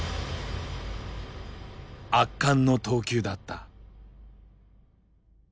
圧巻の投球だった。